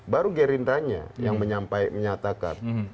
baru gerindranya yang menyatakan